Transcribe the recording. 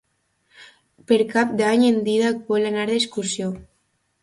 Per Cap d'Any en Dídac vol anar d'excursió.